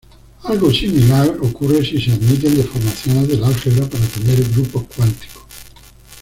Algo similar ocurre si se admiten deformaciones del álgebra para tener grupos cuánticos.